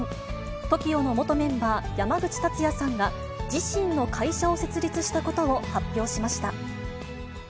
ＴＯＫＩＯの元メンバー、山口達也さんが自身の会社を設立したことを発表しました。